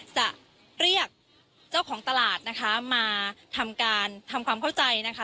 จะเรียกเจ้าของตลาดนะคะมาทำการทำความเข้าใจนะคะ